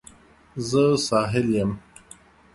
زه ساحل یم